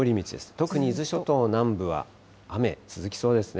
特に伊豆諸島南部は雨続きそうですね。